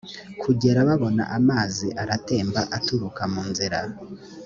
kugera babona amazi aratemba aturuka mu nzira